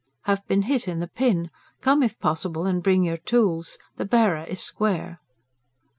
HAVE BEEN HIT IN THE PIN. COME IF POSSIBLE AND BRING YOUR TOOLS. THE BEARER IS SQUARE.